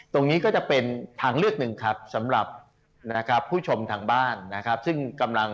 ที่นี่ก็จะเป็นทางเลือกหนึ่งครับสำหรับผู้ชมทางบ้าน